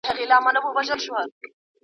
له ځان درملنې ډډه وکړه